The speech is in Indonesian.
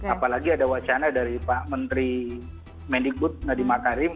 apalagi ada wacana dari pak menteri mendikbud nadiem makarim